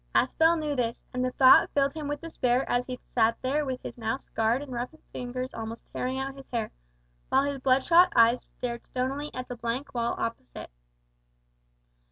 Aspel knew this, and the thought filled him with despair as he sat there with his now scarred and roughened fingers almost tearing out his hair, while his bloodshot eyes stared stonily at the blank wall opposite.